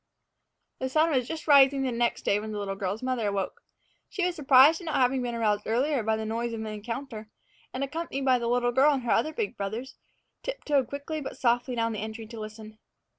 The sun was just rising next day when the little girl's mother awoke. She was surprised at not having been aroused earlier by the noise of an encounter, and, accompanied by the little girl and the other big brothers, tiptoed quickly but softly down the entry to listen.